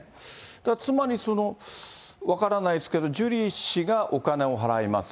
つまり、分からないですけど、ジュリー氏がお金を払います。